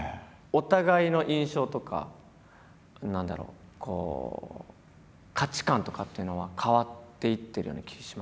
お互いの印象とか何だろう価値観とかっていうのは変わっていってるような気します？